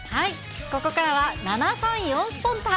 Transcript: ここからは７３４スポンタっ！